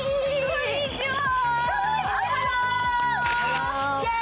こんにちはー。